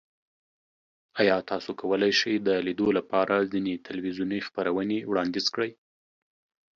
ایا تاسو کولی شئ د لیدو لپاره ځینې تلویزیوني خپرونې وړاندیز کړئ؟